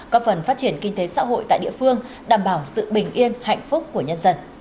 có phần phát triển kinh tế xã hội tại địa phương đảm bảo sự bình yên hạnh phúc của nhân dân